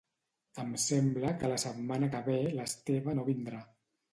Em sembla que la setmana que ve l'Esteve no vindrà.